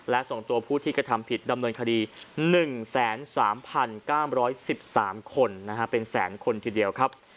และส่งตัวผู้ที่กระทำผิดดำเนินคดี๑๓๙๑๓คนเป็นแสนคนทีเดียวครับ